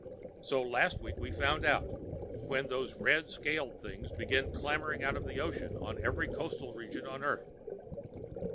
So last week we found out, when those red scaled things began clambering out of the sea on every coastal region on Earth.